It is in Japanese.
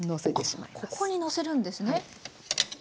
ここにのせるんですね？